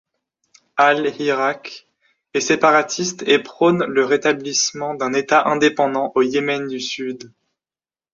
Al-Hirak est séparatiste et prône le rétablissement d'un État indépendant au Yémen du Sud.